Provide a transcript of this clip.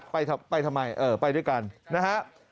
ไปทำไมไปด้วยกันนะฮะ